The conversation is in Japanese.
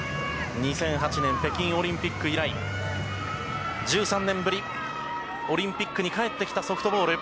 ２００８年北京オリンピック以来１３年ぶり、オリンピックに帰ってきたソフトボール。